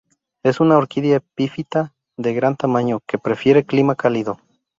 Es una orquídea epifita de gran tamaño, que prefiere clima cálido.